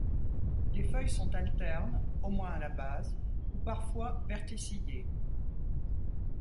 Les feuilles sont alternes, au moins à la base, ou parfois verticillées.